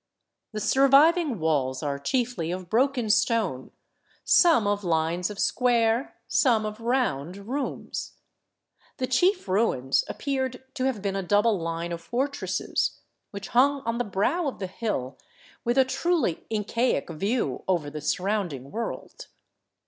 The surviving walls are chiefly of broken stone, some of lines of square, some of round, rooms. The chief ruins appeared to have been a double line of fortresses, which hung on the brow of the hill with a truly Incaic view over the surrounding world.